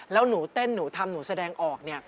แล้วหนูเต้นหนูทำหนูแสดงออกเนี่ย